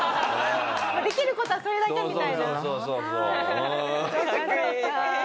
できる事はそれだけみたいな。